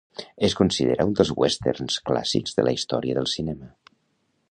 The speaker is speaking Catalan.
Es considera un dels westerns clàssics de la història del cinema.